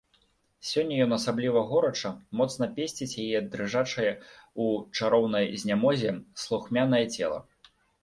Сёння ён асабліва горача, моцна песціць яе дрыжачае ў чароўнай знямозе, слухмянае цела.